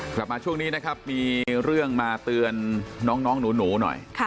กลับมาช่วงนี้นะครับมีเรื่องมาเตือนน้องหนูหน่อย